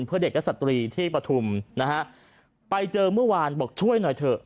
เพื่อเด็กและสตรีที่ปฐุมนะฮะไปเจอเมื่อวานบอกช่วยหน่อยเถอะ